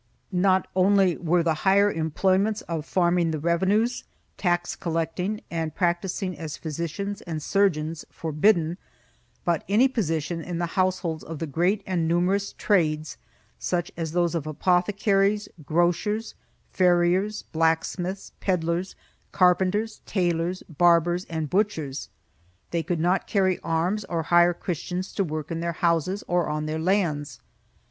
Not only were the higher employments of farming the revenues, tax collecting, and practising as physicians and surgeons for bidden, but any position in the households of the great and numerous trades, such as those of apothecaries, grocers, farriers, blacksmiths, peddlers, carpenters, tailors, barbers, and butchers. They could not carry arms or hire Christians to work in their houses or on their lands.